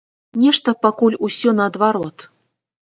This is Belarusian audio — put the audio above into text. Нешта пакуль усё наадварот.